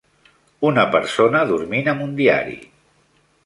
Una persona dormint amb un diari